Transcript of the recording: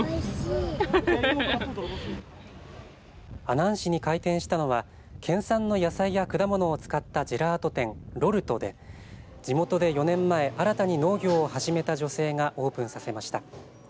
阿南市に開店したのは県産の野菜や果物を使ったジェラート店、ｌ’ｏｒｔｏで地元で４年前、新たに農業を始めた女性がオープンさせました。